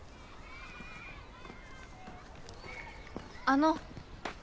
あの。